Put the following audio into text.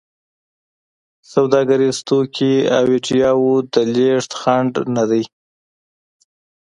سوداګریز توکي او ایډیاوو د لېږد خنډ نه دی.